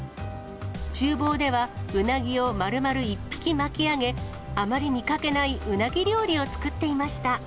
ちゅう房では、うなぎをまるまる一匹巻き上げ、あまり見かけないうなぎ料理を作っていました。